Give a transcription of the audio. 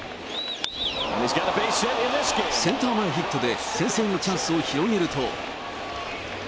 センター前ヒットで先制のチャンスを広げると。